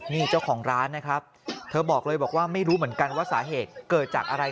นี่เจ้าของร้านนะครับเธอบอกเลยบอกว่าไม่รู้เหมือนกันว่าสาเหตุเกิดจากอะไร